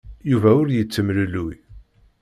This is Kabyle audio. Yuba ur yettemlelluy.